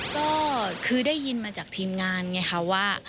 ก็คือได้ยินมาจากทีมงานไงคะว่า